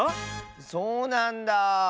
そうなんだ。